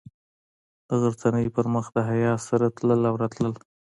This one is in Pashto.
د غرڅنۍ پر مخ د حیا سره تلل او راتلل.